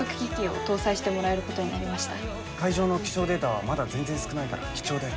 海上の気象データはまだ全然少ないから貴重だよ。